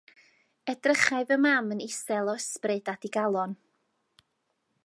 Edrychai fy mam yn isel o ysbryd a digalon.